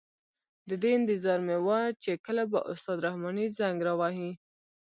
د دې انتظار مې وه چې کله به استاد رحماني زنګ را وهي.